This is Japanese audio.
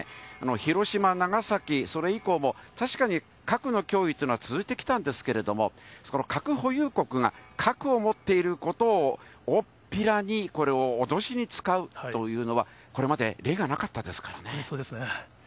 広島、長崎、それ以降も、確かに核の脅威というのは続いてきたんですけれども、その核保有国が、核を持っていることを、大っぴらにこれを脅しに使うというのは、本当にそうですね。